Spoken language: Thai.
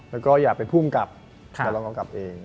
แล้วก็อยากเป็นภูมิกับแต่ลอง้องกับเอง